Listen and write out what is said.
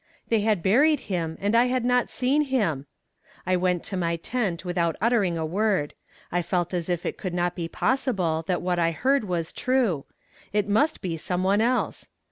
They had buried him, and I had not seen him! I went to my tent without uttering a word. I felt as if it could not be possible that what I heard was true. It must be some one else.